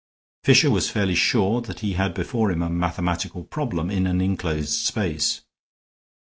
Fisher was fairly sure that he had before him a mathematical problem in an inclosed space.